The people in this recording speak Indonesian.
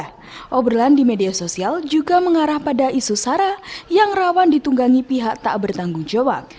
hal hal juga mengarah pada isu sara yang rawan ditunggangi pihak tak bertanggung jawab